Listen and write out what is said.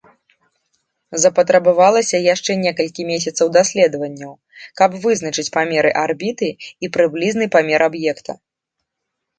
Запатрабавалася яшчэ некалькі месяцаў даследаванняў, каб вызначыць параметры арбіты і прыблізны памер аб'екта.